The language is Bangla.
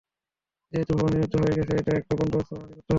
যেহেতু ভবন নির্মিত হয়ে গেছে, এটার একটা বন্দোবস্ত আমাকে করতে হবে।